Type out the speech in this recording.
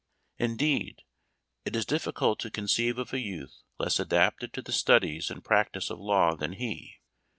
Indeed, it is difficult to conceive of a youth less adapted to the studies and practice of law than he.